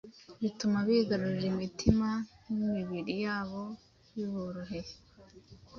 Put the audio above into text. bituma bigarurira imitima n’imibiri yabo biboroheye